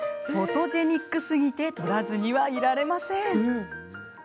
フォトジェニックすぎて撮らずにはいられません。